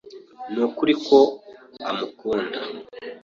Nukuri ko amukunda.